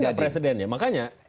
ada nggak presiden ya makanya